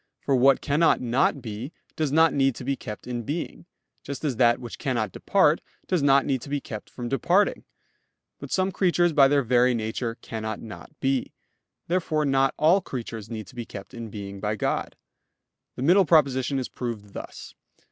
For what cannot not be, does not need to be kept in being; just as that which cannot depart, does not need to be kept from departing. But some creatures by their very nature cannot not be. Therefore not all creatures need to be kept in being by God. The middle proposition is proved thus.